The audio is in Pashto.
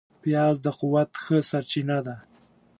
پیاز د قوت ښه سرچینه ده